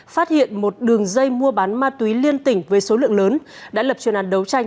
phát hiện một đường dây mua bán ma túy liên tỉnh với số lượng lớn đã lập truyền án đấu tranh